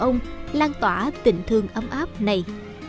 ông lan tỏa tình thương ấm áp này